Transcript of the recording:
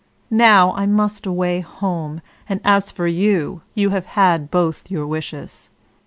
Now, I must away home, and as for you, you have had both your wishes."